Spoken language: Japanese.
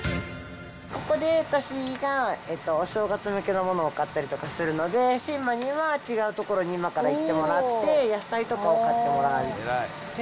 ここで私がお正月向けのものを買ったりとかするので、心真には違う所に今から行ってもらって、野菜とかを買ってもらう。